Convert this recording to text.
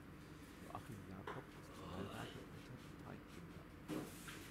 Joachim Jacob ist verheiratet und hat drei Kinder.